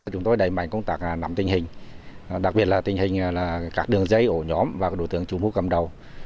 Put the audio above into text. chúng tôi đẩy mạnh công tác nắm tình hình đặc biệt là tình hình các đường dây ổ nhóm và đối tượng chủ mu cầm đầu